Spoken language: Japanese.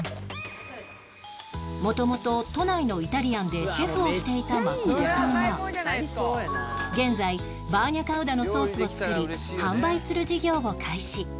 元々都内のイタリアンでシェフをしていた誠さんが現在バーニャカウダのソースを作り販売する事業を開始